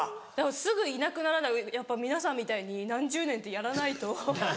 すぐいなくならないやっぱ皆さんみたいに何十年ってやらないと。